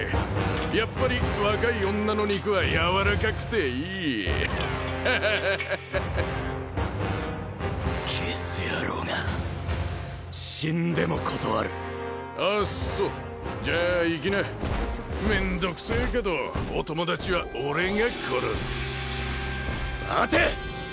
やっぱり若い女の肉はやわらかくていいハハハハハゲス野郎が死んでも断るあっそじゃあ行きなめんどくせえけどお友達は俺が殺す待て！